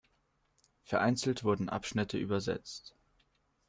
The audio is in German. Vereinzelt wurden Abschnitte übersetzt.